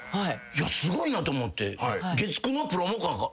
すごいなと思って。